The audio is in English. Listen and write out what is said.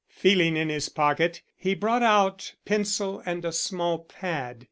Feeling in his pocket, he brought out pencil and a small pad.